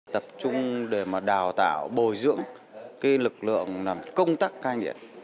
tập trung để mà đào tạo bồi dưỡng cái lực lượng làm công tác cai nghiện